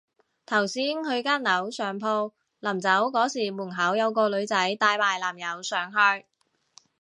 頭先去間樓上鋪，臨走嗰時門口有個女仔帶埋男友上去